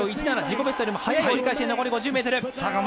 自己ベストよりも早い折り返しで残り５０ｍ。